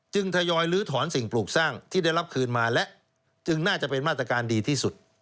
ทยอยลื้อถอนสิ่งปลูกสร้างที่ได้รับคืนมาและจึงน่าจะเป็นมาตรการดีที่สุด